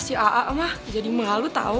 si aa emang jadi malu tau